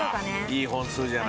いい本数じゃない。